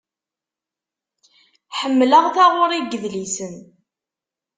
Ḥemmleɣ taɣuri n yedlisen.